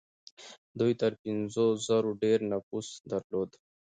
دوی تر پنځو زرو ډېر نفوس درلود.